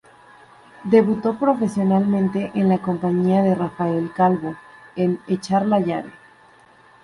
Debutó profesionalmente en la compañía de Rafael Calvo, en "Echar la llave".